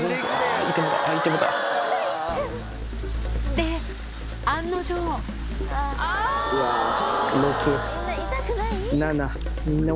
で案の定うわ６・７。